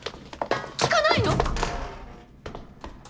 聞かないの？